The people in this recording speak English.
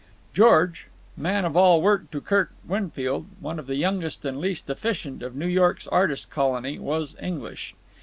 George, man of all work to Kirk Winfield, one of the youngest and least efficient of New York's artist colony, was English.